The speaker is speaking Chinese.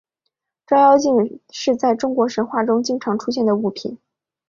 照妖镜是在中国神话中经常出现的物品。